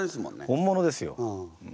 本物ですよ。